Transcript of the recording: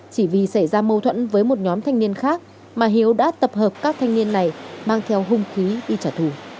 chỉ vì xảy ra mâu thuẫn với một nhóm thanh niên khác mà hiếu đã tập hợp các thanh niên này mang theo hung khí đi trả thù